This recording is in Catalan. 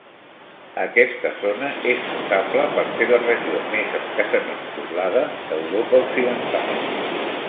Aquesta zona és notable per ser la regió més escassament poblada d'Europa occidental.